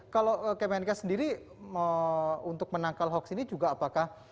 kalau kemenke sendiri untuk menangkal hoax ini juga apakah